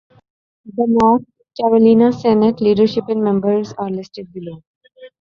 The North Carolina Senate leadership and members are listed below.